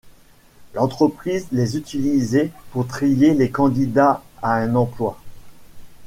L'entreprise les utilisait pour trier les candidats à un emploi.